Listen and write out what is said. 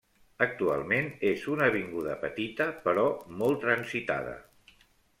Actualment, és una avinguda petita però molt transitada.